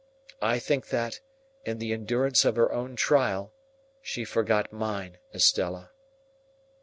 I think that, in the endurance of her own trial, she forgot mine, Estella."